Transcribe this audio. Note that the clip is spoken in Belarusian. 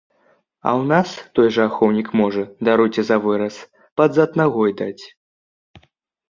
А ў нас той жа ахоўнік можа, даруйце за выраз, пад зад нагой даць.